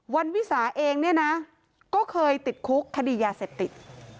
วันวิสาเองเนี่ยนะก็เคยติดคุกคดียาเสพติด